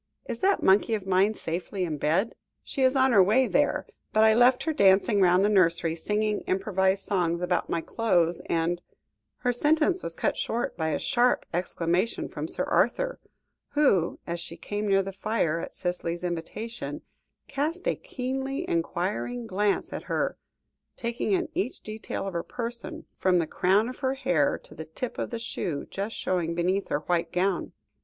Is that monkey of mine safely in bed?" "She is on her way there, but I left her dancing round the nursery, singing improvised songs about my clothes, and " Her sentence was cut short by a sharp exclamation from Sir Arthur, who, as she came near the fire at Cicely's invitation, cast a keenly enquiring glance at her, taking in each detail of her person, from the crown of her hair to the tip of the shoe just showing beneath her white gown.